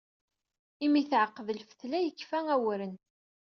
Imi teɛqed lfetla yekfa waren.